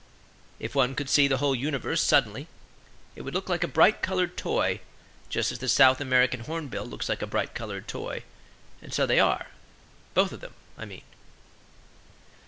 If one could see the whole universe suddenly, it would look like a bright colored toy, just as the South American hornbill looks like a bright colored toy. And so they are both of them, I mean.